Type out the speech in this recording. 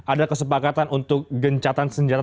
ada kesepakatan untuk gencatan senjata